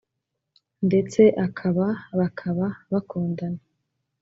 ndetse akaba bakaba bakundana